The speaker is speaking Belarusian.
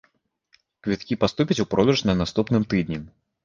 Квіткі паступяць у продаж на наступным тыдні.